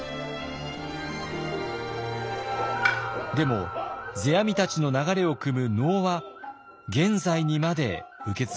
でも世阿弥たちの流れをくむ能は現在にまで受け継がれています。